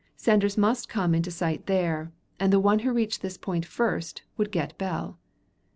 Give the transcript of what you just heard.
Sanders must come into sight there, and the one who reached this point first would get Bell.